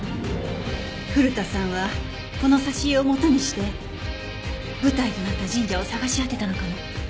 古田さんはこの挿絵をもとにして舞台となった神社を探し当てたのかも。